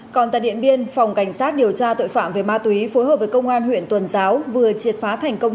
còn tại điện biên phòng cảnh sát điều tra tội phạm về ma túy phối hợp với công an huyện tuần giáo vừa triệt phá thành công